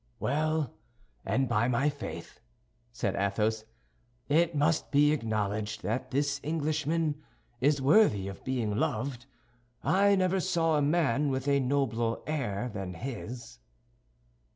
"Well, and by my faith," said Athos, "it must be acknowledged that this Englishman is worthy of being loved. I never saw a man with a nobler air than his."